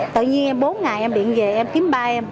tự nhiên em bốn ngày em điện về em kiếm ba em